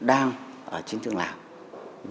công nhận đồng chí mấn